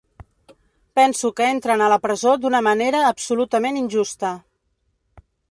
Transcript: Penso que entren a la presó d’una manera absolutament injusta.